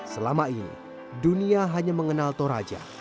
selama ini dunia hanya mengenal toraja